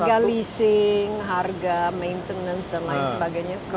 harga leasing harga maintenance dan lain sebagainya semua